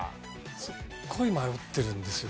すっごい迷ってるんですよ。